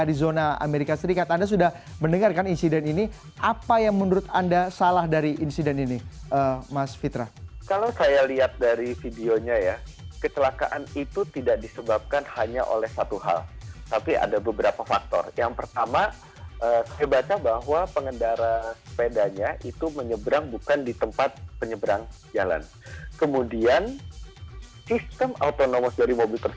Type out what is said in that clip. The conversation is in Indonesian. tentunya semua pihak berusaha menghindari kemungkinan paling buruk dari cara menghidupkan mobil mobil otonom ini